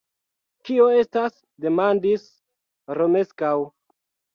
Kio estas? demandis Romeskaŭ.